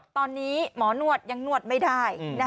ตอนนี้หมอนวดยังนวดไม่ได้